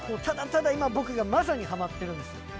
ただただ今僕がまさにはまってるんです。